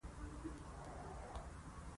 زبېښونکي بنسټونه وو چې د رښتینې ودې مخه یې نیوله.